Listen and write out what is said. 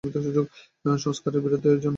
সংস্কারকগণের বিরুদ্ধে ঐ জন্যই আমার এত আপত্তি।